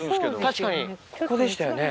確かにここでしたよね。